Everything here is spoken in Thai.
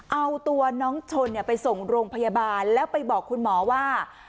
เอาตัวน้องชนไปส่งโรงพยาบาลแล้วไปบอกคุณหมอว่า